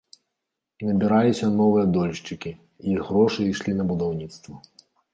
Набіраліся новыя дольшчыкі, іх грошы шлі на будаўніцтва.